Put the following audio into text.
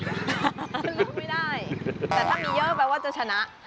แต่ถ้ามีเยอะแปลว่าจะชนะ